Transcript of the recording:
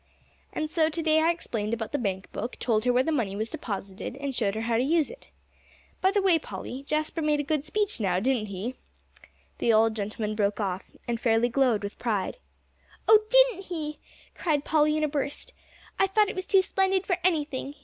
"And so to day I explained about the bank book; told her where the money was deposited, and showed her how to use it. By the way, Polly, Jasper made a good speech now, didn't he?" The old gentleman broke off, and fairly glowed with pride. "Oh, didn't he!" cried Polly, in a burst. "I thought it was too splendid for anything!